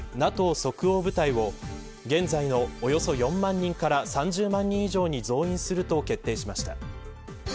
即応部隊を現在のおよそ４万人から３０万人以上に増員すると決定しました。